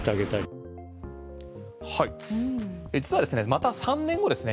また３年後ですね